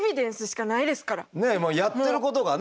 やってることがね